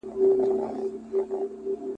په فریاد یې وو پر ځان کفن څیرلی `